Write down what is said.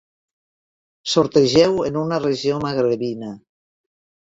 Sortegeu en una regió magrebina.